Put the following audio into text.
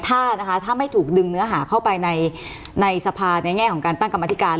ถ้านะคะถ้าไม่ถูกดึงเนื้อหาเข้าไปในสภาในแง่ของการตั้งกรรมธิการ